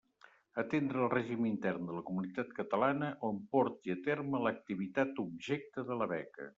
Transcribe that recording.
Atendre el règim intern de la comunitat catalana on porti a terme l'activitat objecte de la beca.